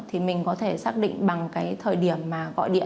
thì mình có thể xác định bằng cái thời điểm mà gọi điện